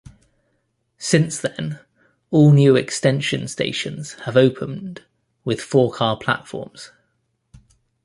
Since then, all new extension stations have opened with four-car platforms.